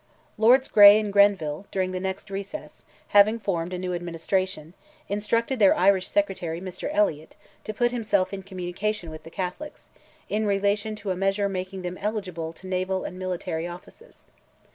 Lords Grey and Grenville, during the next recess, having formed a new administration, instructed their Irish Secretary, Mr. Elliot, to put himself in communication with the Catholics, in relation to a measure making them eligible to naval and military offices.